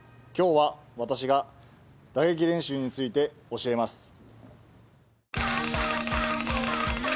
今日は私が打撃練習について教えます。